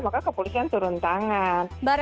maka kepolisian turun tangan